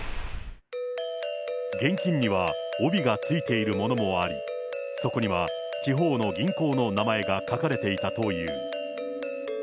現金には帯が付いているものもあり、そこには地方の銀行の名前が書かれていたという。